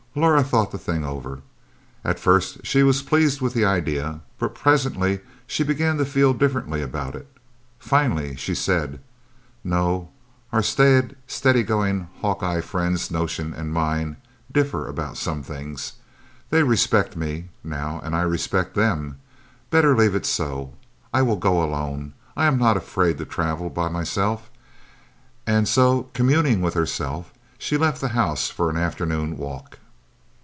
Laura thought the thing over. At first she was pleased with the idea, but presently she began to feel differently about it. Finally she said, "No, our staid, steady going Hawkeye friends' notions and mine differ about some things they respect me, now, and I respect them better leave it so I will go alone; I am not afraid to travel by myself." And so communing with herself, she left the house for an afternoon walk.